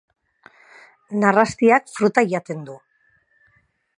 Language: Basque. Narrastiak fruta jaten du.